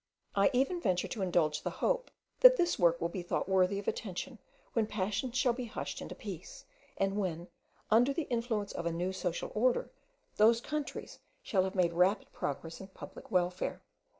I even venture to indulge the hope that this work will be thought worthy of attention when passions shall be hushed into peace, and when, under the influence of a new social order, those countries shall have made rapid progress in public welfare.